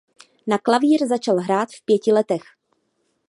Na klavír začal hrát v pěti letech.